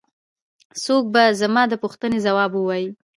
څوک به زما د پوښتنې ځواب ووايي.